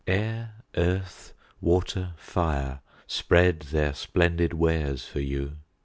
Air, earth, water, fire, spread their splendid wares for you.